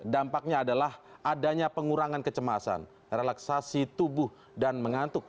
dampaknya adalah adanya pengurangan kecemasan relaksasi tubuh dan mengantuk